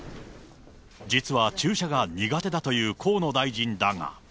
実は注射が苦手だという河野大臣だが。